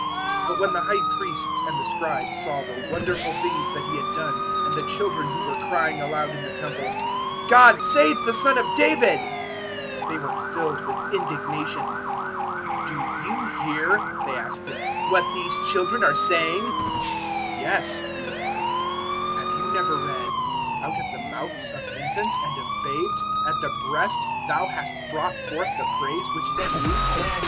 021:015 But when the High Priests and the Scribes saw the wonderful things that He had done and the children who were crying aloud in the Temple, "God save the Son of David," they were filled with indignation. 021:016 "Do you hear," they asked Him, "what these children are saying?" "Yes," He replied; "have you never read, `Out of the mouths of infants and of babes at the breast Thou hast brought forth the praise which is due'?"